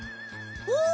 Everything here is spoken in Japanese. お！